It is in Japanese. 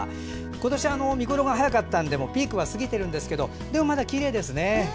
今年見頃が早かったんでピークは過ぎてるんですけどでもまだきれいですね。